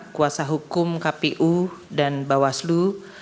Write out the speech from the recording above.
kuasa hukum kpu dan bawaslu